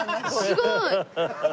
すごい！